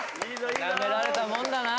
なめられたもんだな」